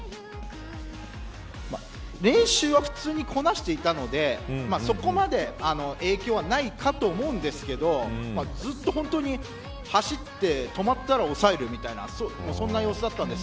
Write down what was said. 練習は普通にこなしていたのでそこまで影響はないかと思うんですけどずっと、本当に走って止まったら押さえるみたいなそんな様子だったんです。